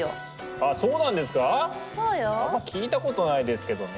あんま聞いたことないですけどね。